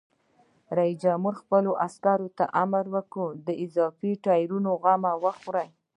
رئیس جمهور خپلو عسکرو ته امر وکړ؛ د اضافي ټایرونو غم وخورئ!